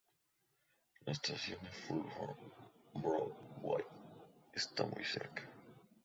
La Estación de Fulham Broadway está muy cerca.